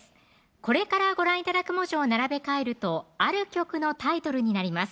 これからご覧頂く文字を並べ替えるとある曲のタイトルになります